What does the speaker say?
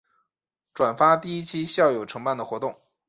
转发第一期校友承办的活动